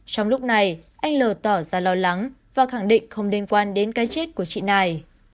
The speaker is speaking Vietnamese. trong lúc này anh l tỏ ra lo lắng và khẳng định không liên quan đến cái chết của chị này